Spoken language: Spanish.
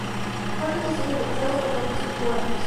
Parte de sus antepasados paternos son cubanos.